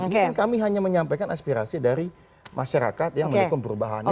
ini kan kami hanya menyampaikan aspirasi dari masyarakat yang menekom perubahan